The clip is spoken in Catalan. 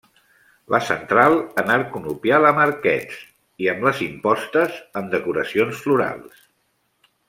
La central en arc conopial amb arquets i amb les impostes amb decoracions florals.